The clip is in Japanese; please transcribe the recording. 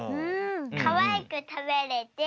かわいくたべれて。